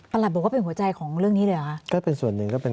ปรับบอกว่าเป็นหัวใจของเรื่องนี้เลยหรือคะ